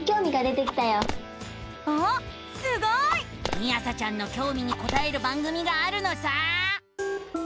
みあさちゃんのきょうみにこたえる番組があるのさ！